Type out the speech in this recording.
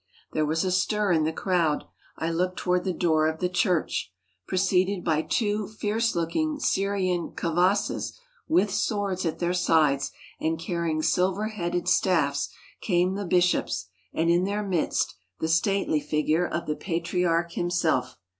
There was a stir in the crowd. I looked toward the door of the church. Preceded by two fierce looking Syrian kavasses with swords at their sides and carrying silver headed staffs, came the bishops and in their midst the stately figure of the Patriarch himself.